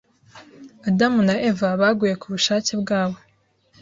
Adamu na Eva baguye kubushake bwabo